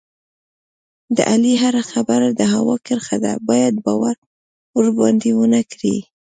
د علي هره خبره د هوا کرښه ده، باید باور ورباندې و نه کړې.